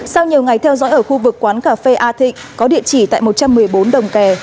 sau nhiều ngày theo dõi ở khu vực quán cà phê a thịnh có địa chỉ tại một trăm một mươi bốn đồng kè